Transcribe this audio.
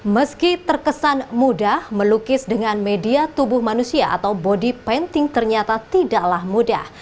meski terkesan mudah melukis dengan media tubuh manusia atau body painting ternyata tidaklah mudah